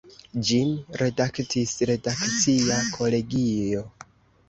Ĝin redaktis „redakcia kolegio“.